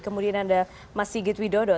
kemudian anda masih gini gini